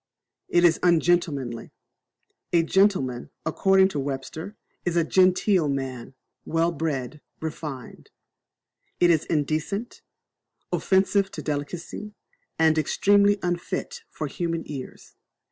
It is ungentlemanly, A gentleman, according to Webster, is a genteel man well bred, refined. It is indecent, offensive to delicacy, and extremely unfit for human ears.